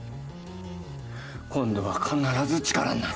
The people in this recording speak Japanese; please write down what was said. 今度は必ず力になる。